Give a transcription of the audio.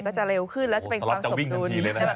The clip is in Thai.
ก็จะเร็วขึ้นแล้วจะเป็นความสมดุล